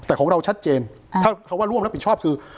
แต่ของเราชัดเจนถ้าคำว่าร่วมรับผิดชอบคือ